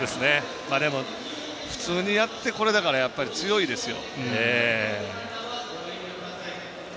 でも、普通にやってこれだからやっぱり強いですよ。